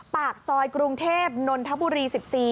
ปากซอยกรุงเทพนนทบุรี๑๔